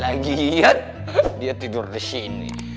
lagi iya dia tidur di sini